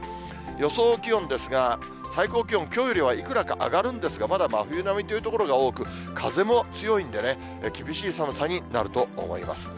予想気温ですが、最高気温、きょうよりはいくらか上がるんですが、まだ真冬並みという所が多く、風も強いんでね、厳しい寒さになると思います。